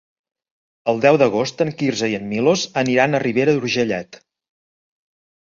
El deu d'agost en Quirze i en Milos aniran a Ribera d'Urgellet.